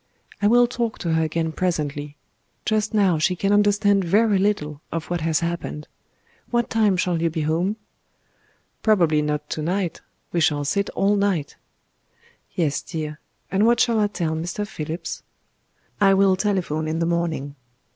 "I will talk to her again presently. Just now she can understand very little of what has happened.... What time shall you be home?" "Probably not to night. We shall sit all night." "Yes, dear. And what shall I tell Mr. Phillips?" "I will telephone in the morning....